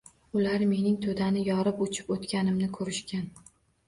Ular mening To‘dani yorib uchib o‘tganimni ko‘rishgan!